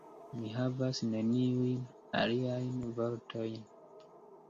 Mi havas neniujn aliajn vortojn.